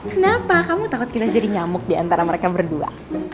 kenapa kamu takut kita jadi nyamuk diantara mereka berdua